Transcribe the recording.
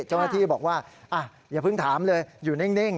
เจ้าหน้าที่บอกว่าอย่าเพิ่งถามเลยอยู่นิ่ง